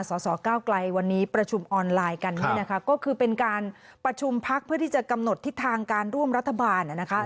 สสเก้าไกลวันนี้ประชุมออนไลน์กันก็คือเป็นการประชุมพักเพื่อที่จะกำหนดทิศทางการร่วมรัฐบาล